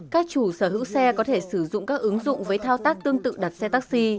các chủ sở hữu xe có thể sử dụng các ứng dụng với thao tác tương tự đặt xe taxi